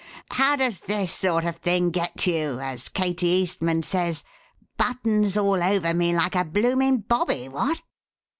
'How does this sort of thing get you?' as Katie Eastman says. Buttons all over me, like a blooming Bobby! What?"